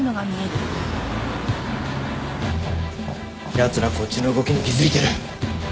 やつらこっちの動きに気付いてる。